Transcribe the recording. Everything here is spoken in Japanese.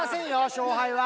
勝敗は！